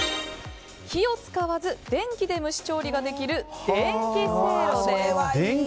火を使わず電気で蒸し調理ができる電気せいろです。